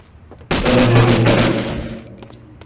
Разве это не так?